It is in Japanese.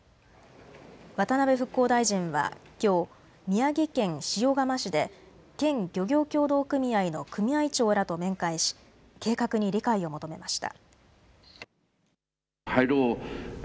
渡辺復興大臣はきょう宮城県塩釜市で県漁業協同組合の組合長らと面会し計画に理解を求めました。